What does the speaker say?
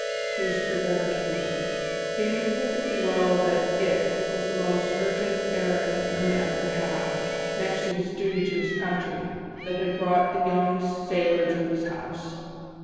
He was prevaricating. He knew perfectly well that "it" was the most urgent errand a man could have, next to his duty to his country, that had brought the young sailor to his house.